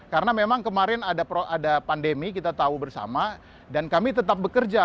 karena memang kemarin ada pandemi kita tahu bersama dan kami tetap bekerja